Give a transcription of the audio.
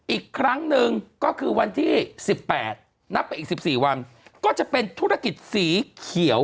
อีกครั้งหนึ่งก็คือวันที่๑๘นับไปอีก๑๔วันก็จะเป็นธุรกิจสีเขียว